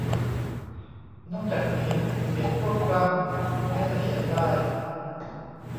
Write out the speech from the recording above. นอกจากนี้ เสียงควบกล้ำแม้จะเขียนได้